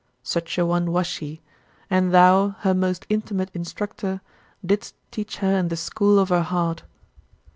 Such a one was she and thou, her most intimate instructor, didst teach her in the school of her heart.